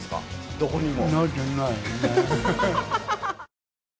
どこにも。